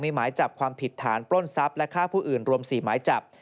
มีหมายจับความผิดฐานปล้นทรัพย์และฆ่าผู้อื่นรวม๔หมายจับ